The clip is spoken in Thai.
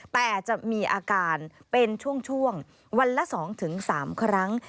แต่จะมีอาการเป็นช่วงวันละ๒๓ครั้ง